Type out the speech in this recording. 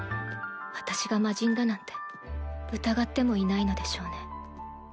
私が魔人だなんて疑ってもいないのでしょうね